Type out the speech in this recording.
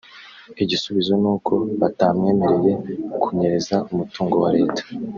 Igisubizo n’uko batamwemereye kunyereza umutungo wa Leta